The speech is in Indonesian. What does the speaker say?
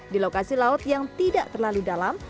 di lokasi laut yang tidak terlalu dalam